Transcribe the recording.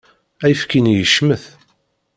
Ayefki-nni yecmet.